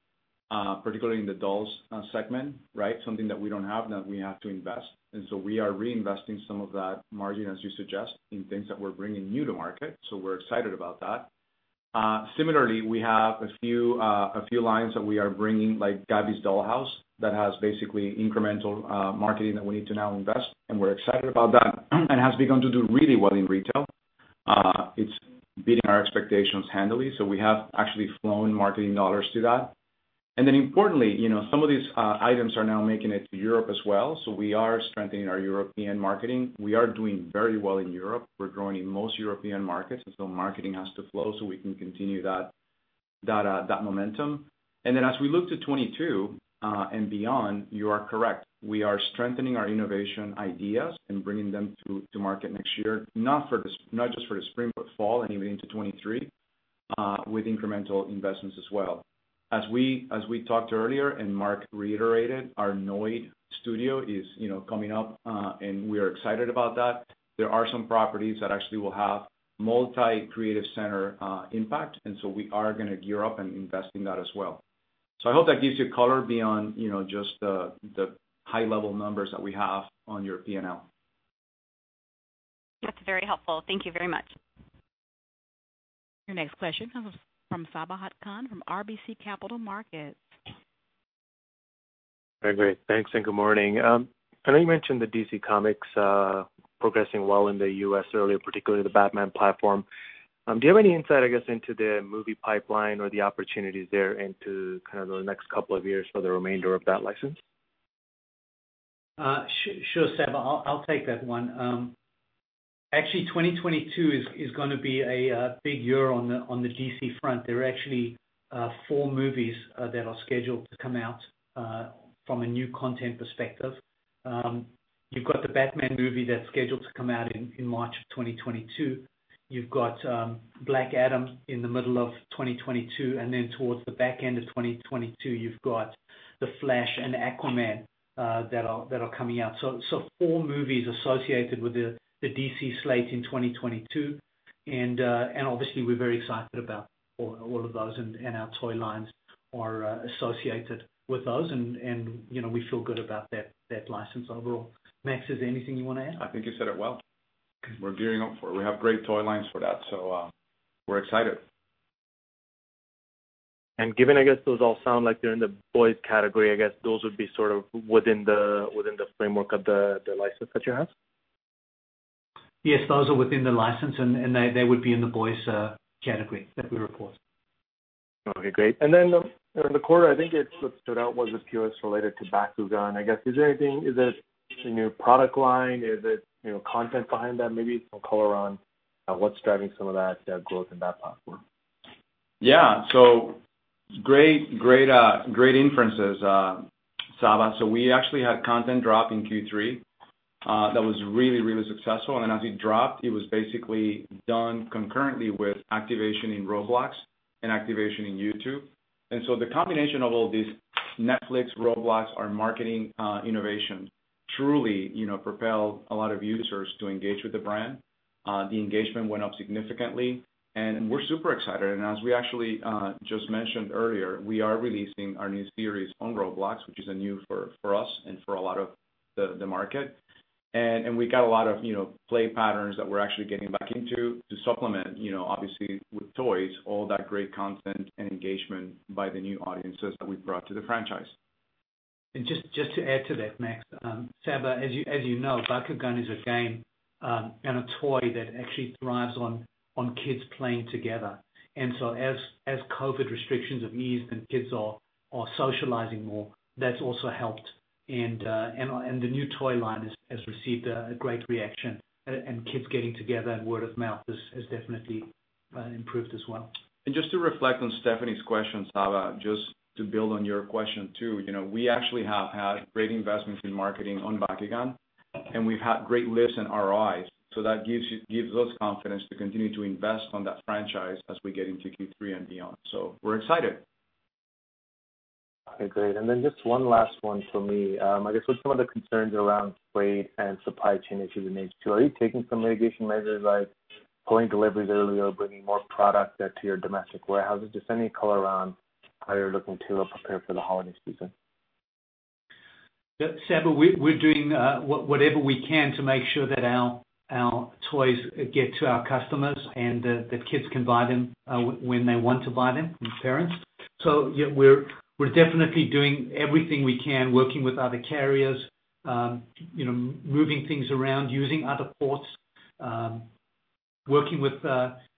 Speaker 2: particularly in the dolls segment, right? Something that we don't have, that we have to invest. We are reinvesting some of that margin, as you suggest, in things that we're bringing new to market. We're excited about that. Similarly, we have a few lines that we are bringing, like Gabby's Dollhouse, that has basically incremental marketing that we need to now invest, and we're excited about that, and has begun to do really well in retail. It's beating our expectations handily, so we have actually flown marketing dollars to that. Importantly, some of these items are now making it to Europe as well, so we are strengthening our European marketing. We are doing very well in Europe. We're growing in most European markets, marketing has to flow so we can continue that momentum. As we look to 2022, and beyond, you are correct. We are strengthening our innovation ideas and bringing them to market next year, not just for the spring, but fall and even into 2023, with incremental investments as well. As we talked earlier and Mark reiterated, our Nørd Studio is coming up, and we are excited about that. There are some properties that actually will have multi-creative center impact, we are going to gear up and invest in that as well. I hope that gives you color beyond just the high-level numbers that we have on your P&L.
Speaker 6: That's very helpful. Thank you very much.
Speaker 4: Your next question comes from Sabahat Khan from RBC Capital Markets.
Speaker 7: Very great. Thanks and good morning. I know you mentioned the DC Comics progressing well in the U.S. earlier, particularly the Batman platform. Do you have any insight, I guess, into the movie pipeline or the opportunities there into kind of the next couple of years for the remainder of that license?
Speaker 3: Sure, Sabahat. I'll take that one. Actually, 2022 is going to be a big year on the DC front. There are actually four movies that are scheduled to come out, from a new content perspective. You've got the Batman movie that's scheduled to come out in March of 2022. You've got Black Adam in the middle of 2022, then towards the back end of 2022, you've got The Flash and Aquaman that are coming out. Four movies associated with the DC slate in 2022. Obviously, we're very excited about all of those, and our toy lines are associated with those, and we feel good about that license overall. Max, is there anything you want to add?
Speaker 2: I think you said it well. We're gearing up for it. We have great toy lines for that. We're excited.
Speaker 7: Given, I guess, those all sound like they're in the boys category, I guess those would be sort of within the framework of the license that you have?
Speaker 3: Yes, those are within the license, and they would be in the boys category that we report.
Speaker 7: Okay, great. In the quarter, I think what stood out was the POS related to Bakugan. I guess, is there anything, is it a new product line? Is it content behind that? Maybe some color on what's driving some of that growth in that platform.
Speaker 2: Yeah. Great inferences, Sabah. We actually had content drop in Q3 that was really, really successful, and as it dropped, it was basically done concurrently with activation in Roblox and activation in YouTube. The combination of all these, Netflix, Roblox, our marketing innovation truly propelled a lot of users to engage with the brand. The engagement went up significantly, and we're super excited. As we actually just mentioned earlier, we are releasing our new series on Roblox, which is new for us and for a lot of the market. We got a lot of play patterns that we're actually getting back into to supplement obviously with toys, all that great content and engagement by the new audiences that we've brought to the franchise.
Speaker 3: Just to add to that, Max. Sabah, as you know, Bakugan is a game and a toy that actually thrives on kids playing together. As COVID restrictions have eased and kids are socializing more, that's also helped. The new toy line has received a great reaction, and kids getting together and word of mouth has definitely improved as well.
Speaker 2: Just to reflect on Stephanie's question, Sabah, just to build on your question, too. We actually have had great investments in marketing on Bakugan, and we've had great lifts in ROIs. That gives us confidence to continue to invest on that franchise as we get into Q3 and beyond. We're excited.
Speaker 7: Okay, great. Just one last one from me. I guess, with some of the concerns around freight and supply chain issues in H2, are you taking some mitigation measures like pulling deliveries earlier, bringing more product to your domestic warehouses? Just any color around how you're looking to prepare for the holiday season.
Speaker 3: Sabah, we're doing whatever we can to make sure that our toys get to our customers, and that kids can buy them when they want to buy them from parents. Yeah, we're definitely doing everything we can, working with other carriers, moving things around, using other ports.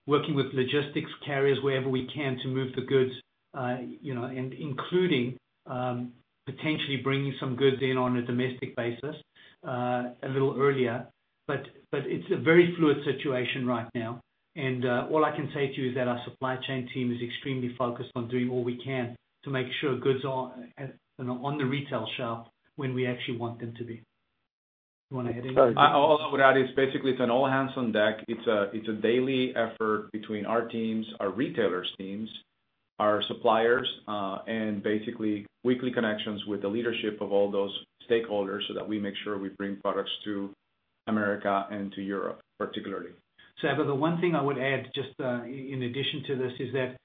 Speaker 3: Working with logistics carriers wherever we can to move the goods, and including potentially bringing some goods in on a domestic basis a little earlier. It's a very fluid situation right now. All I can say to you is that our supply chain team is extremely focused on doing all we can to make sure goods are on the retail shelf when we actually want them to be. You want to add anything?
Speaker 2: All I would add is basically it's an all hands on deck. It's a daily effort between our teams, our retailers' teams, our suppliers, and basically weekly connections with the leadership of all those stakeholders so that we make sure we bring products to America and to Europe, particularly.
Speaker 3: Sabah, the one thing I would add just in addition to this is that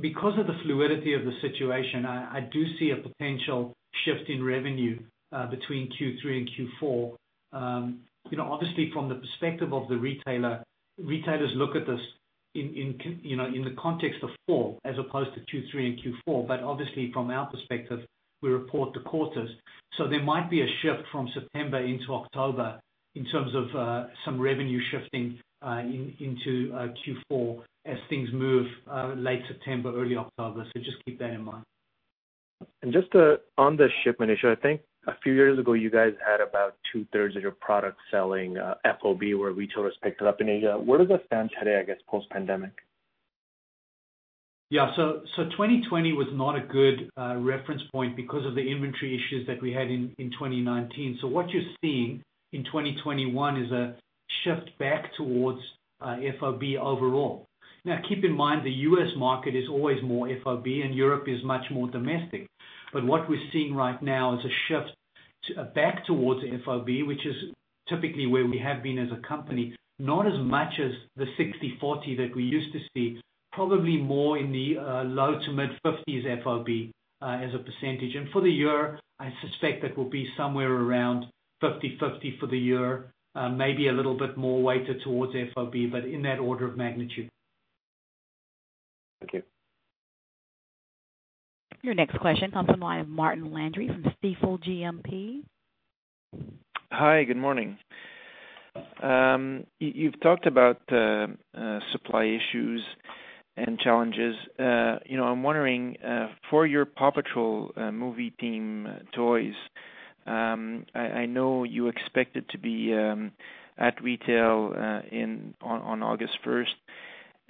Speaker 3: because of the fluidity of the situation, I do see a potential shift in revenue between Q3 and Q4. From the perspective of the retailer, retailers look at this in the context of four, as opposed to Q3 and Q4. From our perspective, we report the quarters. There might be a shift from September into October in terms of some revenue shifting into Q4 as things move late September, early October. Just keep that in mind.
Speaker 7: Just on the shipment issue, I think a few years ago, you guys had about two-thirds of your product selling FOB where retailers picked it up in Asia. Where does that stand today, I guess, post pandemic?
Speaker 3: Yeah. 2020 was not a good reference point because of the inventory issues that we had in 2019. What you're seeing in 2021 is a shift back towards FOB overall. Now, keep in mind the U.S. market is always more FOB and Europe is much more domestic. What we're seeing right now is a shift back towards FOB, which is typically where we have been as a company. Not as much as the 60/40 that we used to see, probably more in the low to mid-50s FOB as a percentage. For the year, I suspect that will be somewhere around 50/50 for the year. Maybe a little bit more weighted towards FOB, but in that order of magnitude.
Speaker 7: Thank you.
Speaker 4: Your next question comes from the line of Martin Landry from Stifel GMP.
Speaker 8: Hi, good morning. You've talked about supply issues and challenges. I'm wondering, for your PAW Patrol movie theme toys, I know you expected to be at retail on August 1st.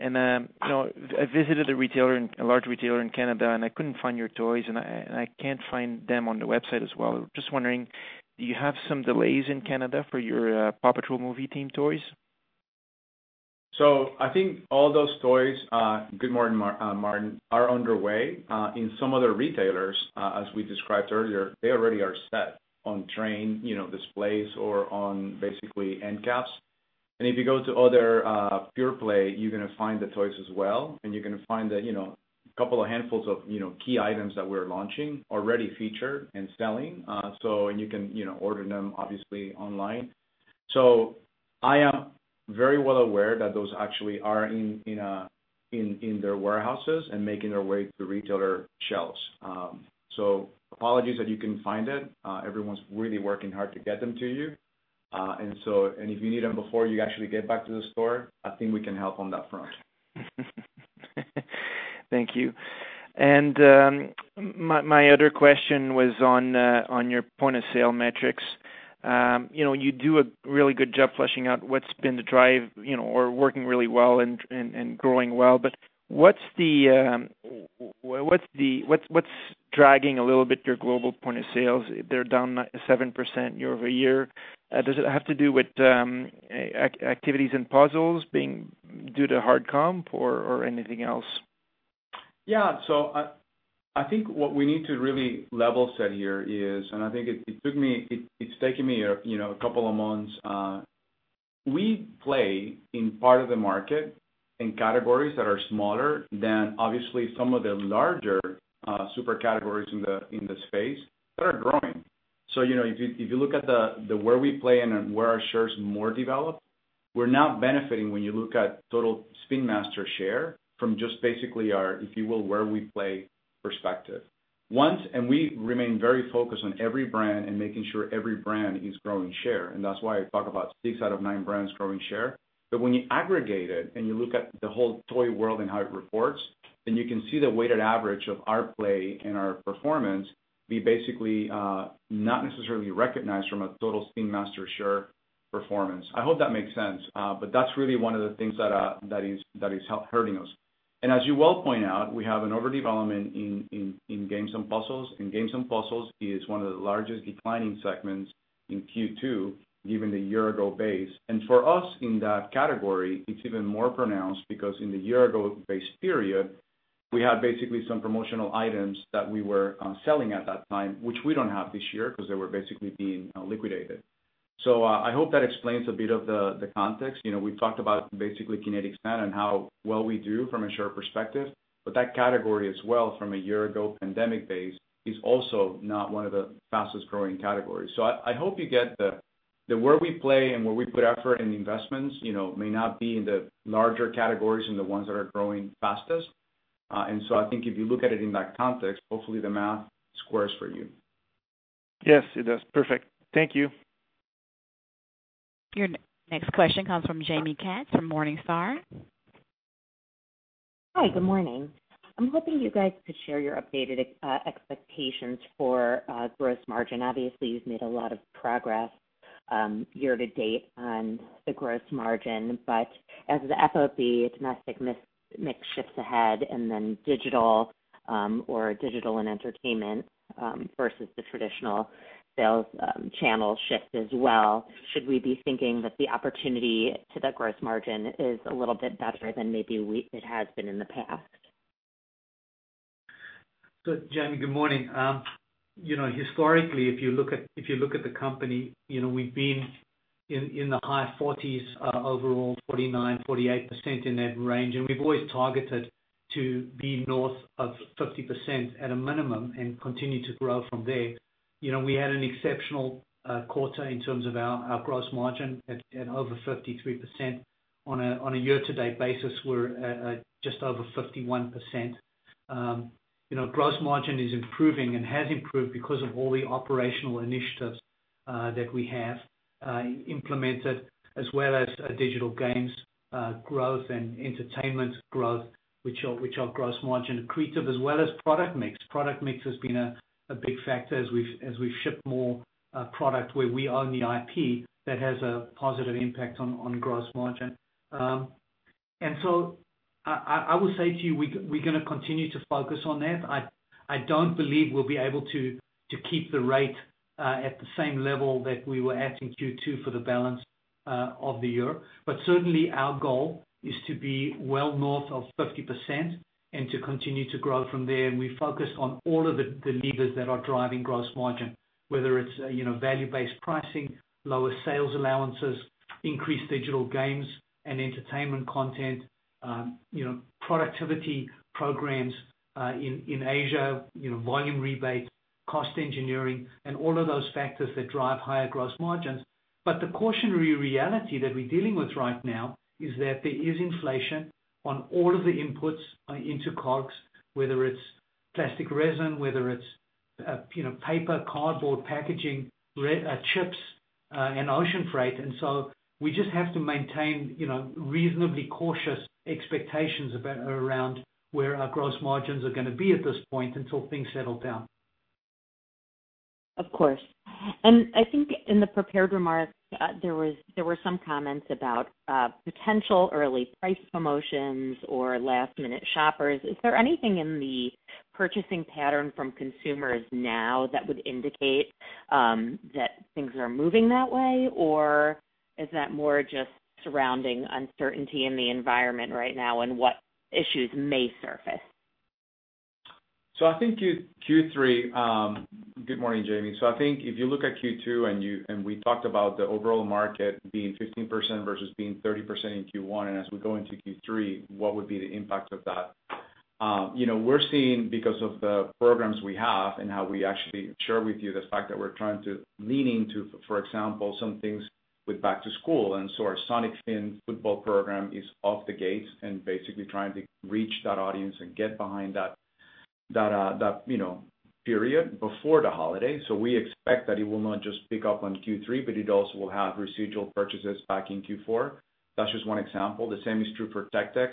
Speaker 8: I visited a large retailer in Canada, and I couldn't find your toys, and I can't find them on the website as well. Just wondering, do you have some delays in Canada for your PAW Patrol movie theme toys?
Speaker 2: I think all those toys, good morning, Martin, are underway. In some other retailers, as we described earlier, they already are set on train displays or on basically end caps. If you go to other pure-play, you're going to find the toys as well, and you're going to find a couple of handfuls of key items that we're launching already featured and selling. You can order them obviously online. I am very well aware that those actually are in their warehouses and making their way to retailer shelves. Apologies that you can't find it. Everyone's really working hard to get them to you. If you need them before you actually get back to the store, I think we can help on that front.
Speaker 8: Thank you. My other question was on your point of sale metrics. You do a really good job fleshing out what's been the drive or working really well and growing well. What's dragging a little bit your global point of sales? They're down 7% year-over-year. Does it have to do with activities and puzzles being due to hard comp or anything else?
Speaker 2: Yeah. I think what we need to really level set here is, and I think it's taken me a couple of months. We play in part of the market in categories that are smaller than obviously some of the larger super categories in the space that are growing. If you look at where we play and where our shares more develop, we are now benefiting when you look at total Spin Master share from just basically our, if you will, where we play perspective. We remain very focused on every brand and making sure every brand is growing share, and that is why I talk about six out of nine brands growing share. When you aggregate it and you look at the whole toy world and how it reports, then you can see the weighted average of our play and our performance be basically not necessarily recognized from a total Spin Master share performance. I hope that makes sense. That's really one of the things that is hurting us. As you well point out, we have an overdevelopment in games and puzzles. Games and puzzles is one of the largest declining segments in Q2, given the year ago base. For us in that category, it's even more pronounced because in the year ago base period, we had basically some promotional items that we were selling at that time, which we don't have this year because they were basically being liquidated. I hope that explains a bit of the context. We talked about basically Kinetic Sand and how well we do from a share perspective. That category as well from a year ago pandemic base is also not one of the fastest growing categories. I hope you get that where we play and where we put effort and investments may not be in the larger categories and the ones that are growing fastest. I think if you look at it in that context, hopefully the math squares for you.
Speaker 8: Yes, it does. Perfect. Thank you.
Speaker 4: Your next question comes from Jaime Katz from Morningstar.
Speaker 9: Hi, good morning. I'm hoping you guys could share your updated expectations for gross margin. Obviously, you've made a lot of progress year to date on the gross margin. As the FOB domestic mix shifts ahead and then digital and entertainment versus the traditional sales channels shift as well, should we be thinking that the opportunity to the gross margin is a little bit better than maybe it has been in the past?
Speaker 3: Jaime, good morning. Historically, if you look at the company, we've been in the high 40s, overall 49%, 48% in that range. We've always targeted to be north of 50% at a minimum and continue to grow from there. We had an exceptional quarter in terms of our gross margin at over 53%. On a year-to-date basis, we're at just over 51%. Gross margin is improving and has improved because of all the operational initiatives that we have implemented, as well as Digital Games growth and Entertainment growth, which are gross margin accretive, as well as product mix. Product mix has been a big factor as we've shipped more product where we own the IP that has a positive impact on gross margin. I will say to you, we're going to continue to focus on that. I don't believe we'll be able to keep the rate at the same level that we were at in Q2 for the balance of the year. Certainly, our goal is to be well north of 50% and to continue to grow from there. We focus on all of the levers that are driving gross margin, whether it's value-based pricing, lower sales allowances, increased Digital Games and Entertainment content, productivity programs in Asia, volume rebates, cost engineering, and all of those factors that drive higher gross margins. The cautionary reality that we're dealing with right now is that there is inflation on all of the inputs into COGS, whether it's plastic resin, whether it's paper, cardboard, packaging, chips, and ocean freight. So we just have to maintain reasonably cautious expectations around where our gross margins are going to be at this point until things settle down.
Speaker 9: Of course. I think in the prepared remarks, there were some comments about potential early price promotions or last-minute shoppers. Is there anything in the purchasing pattern from consumers now that would indicate that things are moving that way? Is that more just surrounding uncertainty in the environment right now and what issues may surface?
Speaker 2: I think Q3. Good morning, Jaime. I think if you look at Q2 and we talked about the overall market being 15% versus being 30% in Q1, and as we go into Q3, what would be the impact of that? We're seeing because of the programs we have and how we actually share with you the fact that we're trying to leaning to, for example, some things with back to school. Our Sonic Fin football program is off the gates and basically trying to reach that audience and get behind that period before the holiday. We expect that it will not just pick up on Q3, but it also will have residual purchases back in Q4. That's just one example. The same is true for Tech Deck.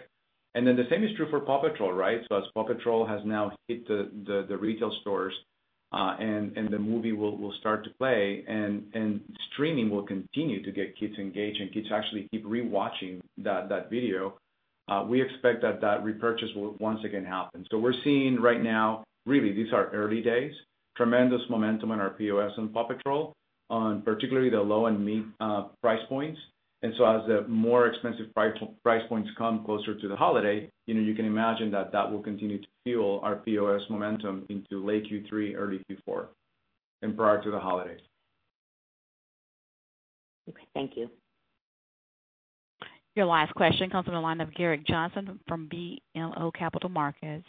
Speaker 2: The same is true for PAW Patrol. As PAW Patrol has now hit the retail stores and the movie will start to play and streaming will continue to get kids engaged and kids actually keep rewatching that video, we expect that that repurchase will once again happen. We're seeing right now, really, these are early days, tremendous momentum in our POS and PAW Patrol on particularly the low and mid-price points. As the more expensive price points come closer to the holiday, you can imagine that that will continue to fuel our POS momentum into late Q3, early Q4, and prior to the holidays.
Speaker 9: Okay. Thank you.
Speaker 4: Your last question comes from the line of Gerrick Johnson from BMO Capital Markets.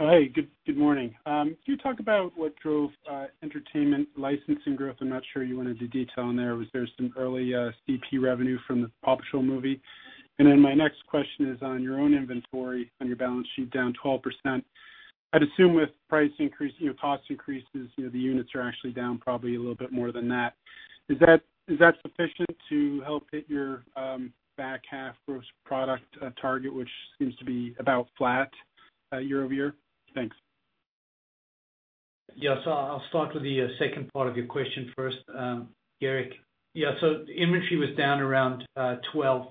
Speaker 10: Hey, good morning. Can you talk about what drove entertainment licensing growth? I'm not sure you went into detail on there. Was there some early CP revenue from the PAW Patrol movie? Then my next question is on your own inventory, on your balance sheet down 12%. I'd assume with price increase, cost increases, the units are actually down probably a little bit more than that. Is that sufficient to help hit your back half gross product target, which seems to be about flat year-over-year? Thanks.
Speaker 3: Yeah. I'll start with the second part of your question first, Gerrick. Yeah, inventory was down around 12%,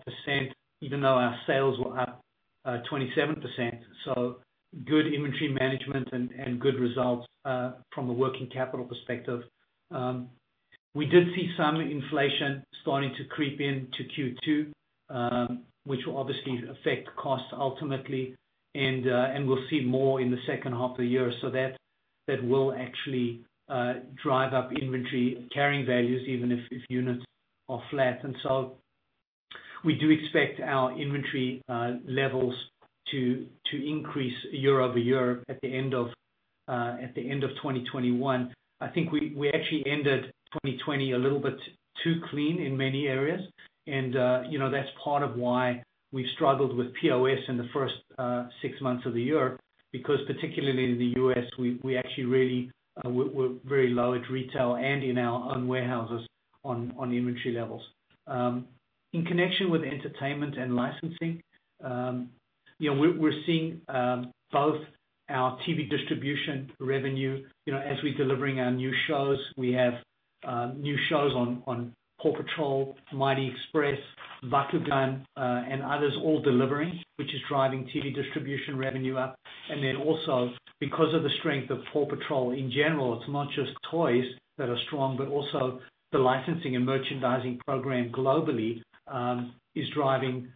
Speaker 3: even though our sales were up 27%. Good inventory management and good results from a working capital perspective. We did see some inflation starting to creep in to Q2 which will obviously affect costs ultimately, and we'll see more in the second half of the year. That will actually drive up inventory carrying values, even if units are flat. We do expect our inventory levels to increase year-over-year at the end of 2021. I think we actually ended 2020 a little bit too clean in many areas. That's part of why we've struggled with POS in the first six months of the year, because particularly in the U.S., we actually were very low at retail and in our own warehouses on inventory levels. In connection with entertainment and licensing, we're seeing both our TV distribution revenue, as we're delivering our new shows, we have new shows on PAW Patrol, Mighty Express, Bakugan, and others all delivering, which is driving TV distribution revenue up. Then also, because of the strength of PAW Patrol in general, it's not just toys that are strong, but also the licensing and merchandising program globally is driving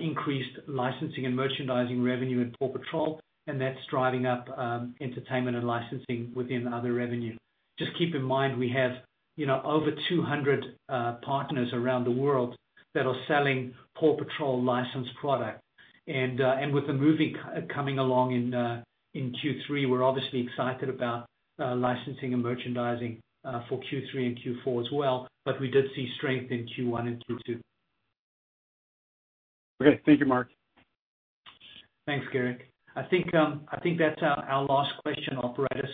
Speaker 3: increased licensing and merchandising revenue in PAW Patrol, and that's driving up entertainment and licensing within other revenue. Just keep in mind, we have over 200 partners around the world that are selling PAW Patrol licensed product. With the movie coming along in Q3, we're obviously excited about licensing and merchandising for Q3 and Q4 as well. We did see strength in Q1 and Q2.
Speaker 10: Okay. Thank you, Mark.
Speaker 3: Thanks, Gerrick. I think that's our last question, operator.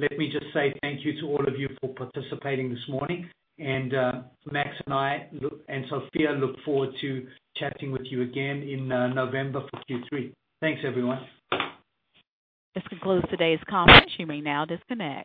Speaker 3: Let me just say thank you to all of you for participating this morning. Max and I and Sophia look forward to chatting with you again in November for Q3. Thanks, everyone.
Speaker 4: This concludes today's conference. You may now disconnect.